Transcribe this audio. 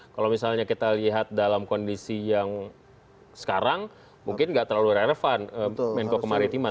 kalau misalnya kita lihat dalam kondisi yang sekarang mungkin nggak terlalu relevan menko kemaritiman